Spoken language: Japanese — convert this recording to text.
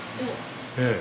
ええ。